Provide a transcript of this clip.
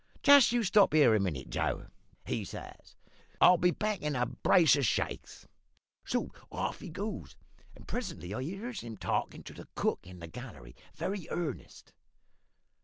Just you stop here a minute, Joe,' he says; `I'll be back in a brace of shakes.' "So off he goes, and presently I hears him talkin' to the cook in the galley, very earnest.